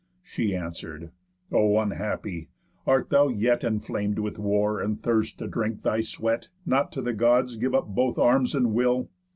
She answer'd: 'O unhappy! art thou yet Enflam'd with war, and thirst to drink thy sweat? Not to the Gods give up both arms and will?